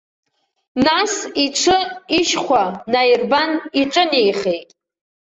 Нас иҽы ишьхәа наирбан, иҿынеихеит.